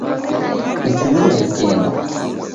Ikumi na ikenda